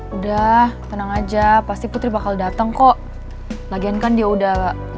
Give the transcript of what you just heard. udah tenang aja pasti putri bakal dateng kok lagian kan dia udah janji juga sama kita